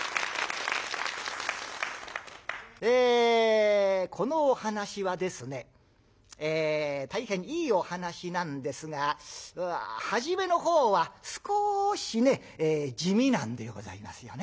えこのお噺はですね大変いいお噺なんですがはじめのほうは少しね地味なんでございますよね。